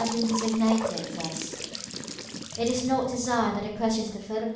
been designated thus, 6, It is not designed that the questions at the foot of.